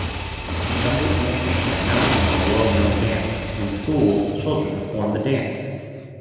Gumboot dancing has now become a world-known dance; in schools children perform the dance.